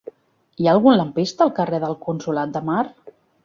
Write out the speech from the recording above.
Hi ha algun lampista al carrer del Consolat de Mar?